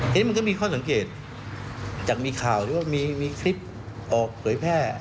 ทีนี้มันก็มีข้อสังเกตจากมีข่าวหรือว่ามีคลิปออกเผยแพร่